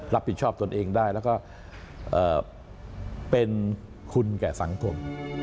ตนเองได้แล้วก็เป็นคุณแก่สังคม